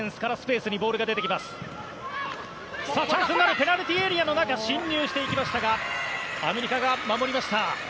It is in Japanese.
ペナルティーエリアの中侵入していきましたがアメリカが守りました。